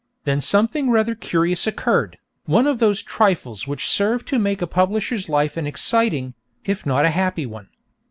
Then something rather curious occurred, one of those trifles which serve to make a publisher's life an exciting, if not a happy, one.